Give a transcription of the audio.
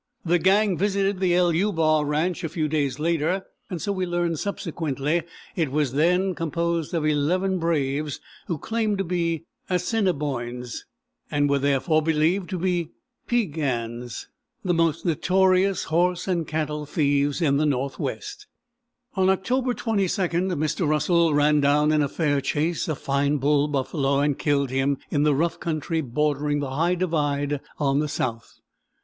The gang visited the =LU= bar ranch a few days later, so we learned subsequently. It was then composed of eleven braves(!), who claimed to be Assinniboines, and were therefore believed to be Piegans, the most notorious horse and cattle thieves in the Northwest. On October 22d Mr. Russell ran down in a fair chase a fine bull buffalo, and killed him in the rough country bordering the High Divide on the south.